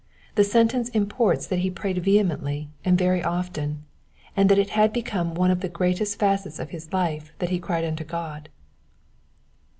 The sentence imports that he prayed vehemently, and very often ; and that it had become one of the greatest facts of his life that he cried unto God.